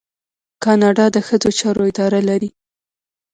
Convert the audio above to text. کاناډا د ښځو چارو اداره لري.